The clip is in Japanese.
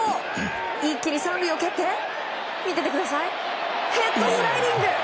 一気に３塁を蹴ってヘッドスライディング！